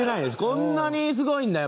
こんなにすごいんだ。